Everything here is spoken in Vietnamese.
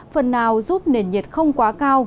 phần nào giúp nền nhiệt không quá cao